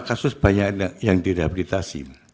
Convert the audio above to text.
kasus banyak yang direhabilitasi